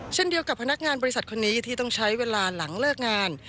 เช่นเดียวกับพนักงานบริษัทคนนี้ที่ต้องใช้เวลาหลังเลิกงาน